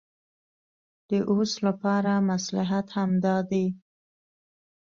د اوس لپاره مصلحت همدا دی.